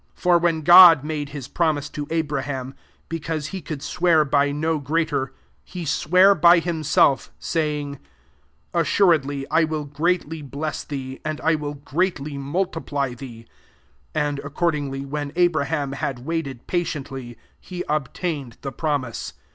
13 For when God made hia tromise to Abraham, because te could swear by no greater, le sware by himself, 14 saying, ' Assuredly I will greatly bless hee, and I will greatly multi ply thee." 15 And accordingly, rfaen Abraham had waited pa iently, he obtained the promise.